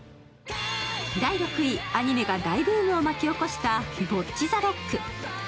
第６位、アニメが大ブームを巻き起こした「ぼっち・ざ・ろっく！」